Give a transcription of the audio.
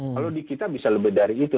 kalau di kita bisa lebih dari itu